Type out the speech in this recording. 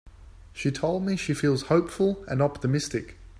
She told me she feels hopeful and optimistic.